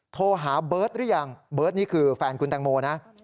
โทรหาเบิร์ตหรือยังเบิร์ตนี่คือแฟนคุณแตงโมนะ